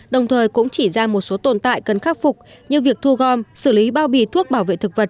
đồng thời cũng chỉ ra một số tồn tại cần khắc phục như việc thu gom xử lý bao bì thuốc bảo vệ thực vật